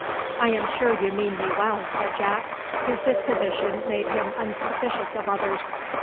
"I am sure you mean me well," said Jack, whose disposition made him unsuspicious of others.